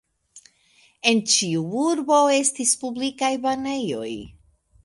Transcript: En ĉiu urbo estis publikaj banejoj.